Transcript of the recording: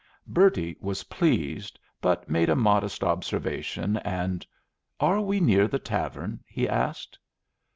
Bertie was pleased, but made a modest observation, and "Are we near the tavern?" he asked.